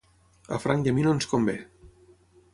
A Frank i a mi no ens convé.